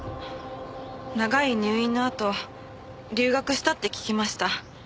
長い入院のあと留学したって聞きました。